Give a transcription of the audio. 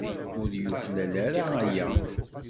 Ur yuklal ara aya.